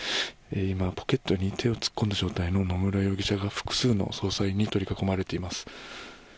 今、ポケットに手を突っ込んだ状態の野村容疑者が複数の捜査員に取り囲まれています。